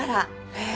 へえ。